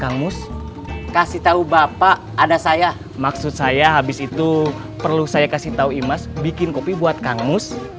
kang mus kasih tahu bapak ada saya maksud saya habis itu perlu saya kasih tahu imas bikin kopi buat kang mus